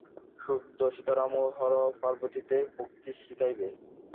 শুদ্ধ সীতারাম ও হরপার্বতীতে ভক্তি শিখাইবে।